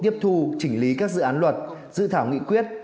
tiếp thu chỉnh lý các dự án luật dự thảo nghị quyết